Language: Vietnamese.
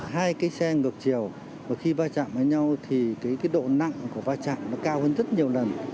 hai cái xe ngược chiều khi va chạm với nhau thì cái độ nặng của va chạm nó cao hơn rất nhiều lần